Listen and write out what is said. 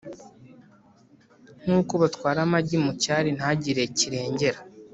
nk’uko batwara amagi mu cyari, ntagire kirengera ;